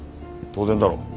当然だろ。